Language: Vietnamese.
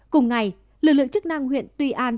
cùng ngày lực lượng chức năng huyện tuy an